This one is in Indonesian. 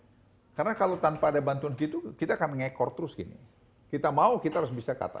ya karena kalau tanpa ada bantuan gitu kita akan ngekor terus gini kita mau kita harus bisa kata